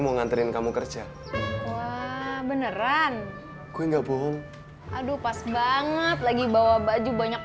mau nganterin kamu kerja beneran gue nggak bohong aduh pas banget lagi bawa baju banyak